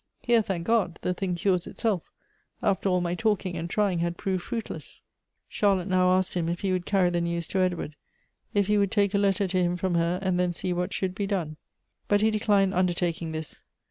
Here, thank God, the thing cures itself, after all my talking and trying had proved fruitless." Elective Affinities. 151 Charlotte now asked him if he would carry the news to Edward ; if he would take a letter to him from her, and then see what should be done. But he declined undertaking this.